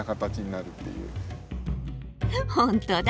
本当だ。